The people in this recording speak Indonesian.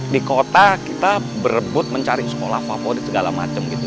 di kota kita berebut mencari sekolah favorit segala macam gitu